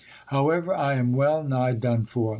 However, I am well nigh done for.